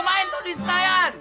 main tuh disenayan